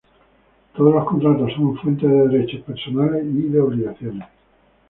Todos los contratos son fuentes de derechos personales y de obligaciones.